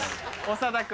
長田君。